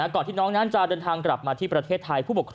ก่อนที่น้องนั้นจะเดินทางกลับมาที่ประเทศไทย